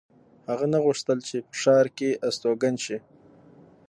هغه نه غوښتل چې په ښار کې استوګن شي